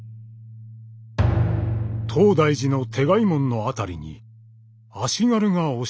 「東大寺の転害門のあたりに足軽が押し入った」。